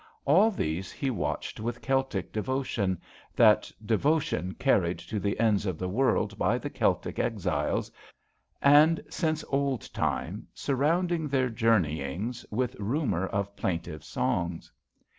All these he watched with Celtic devotion, that de votion carried to the ends of the world by the Celtic exiles, and since old time surrounding their journeyings with rumour of plaintive songs.